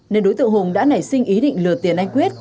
nên đối tượng hùng đã nảy sinh ý định lừa tiền anh quyết